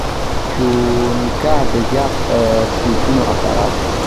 چونکه د زيات سوچونو اثرات